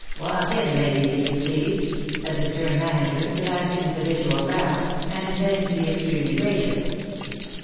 Walk in, ladies, if you please," said the stern manager, relaxing his habitual frown, and intending to be extremely gracious.